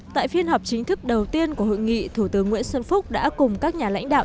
tại phiên họp chính thức đầu tiên của hội nghị thủ tướng nguyễn xuân phúc đã cùng các nhà lãnh đạo